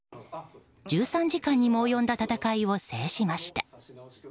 １３時間にも及んだ戦いを制しました。